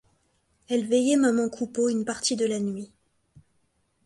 Elle veillait maman Coupeau une partie de la nuit.